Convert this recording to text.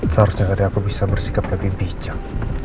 seharusnya tadi aku bisa bersikap lebih bijak